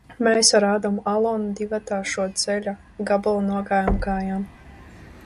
Mēs ar Adamu Alonu divatā šo ceļa gabalu nogājām kājām.